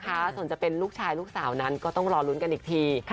ส่วนจะเป็นลูกชายลูกสาวนั้นก็ต้องรอลุ้นกันอีกที